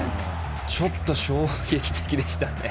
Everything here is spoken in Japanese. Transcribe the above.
ちょっと衝撃的でしたね。